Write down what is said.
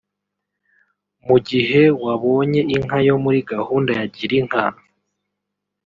mu gihe wabonye inka yo muri gahunda ya Girinka